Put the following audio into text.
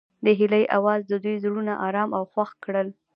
د هیلې اواز د دوی زړونه ارامه او خوښ کړل.